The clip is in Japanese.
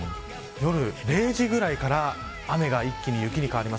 夜０時くらいから雨が一気に雪に変わります。